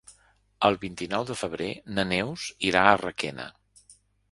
El vint-i-nou de febrer na Neus irà a Requena.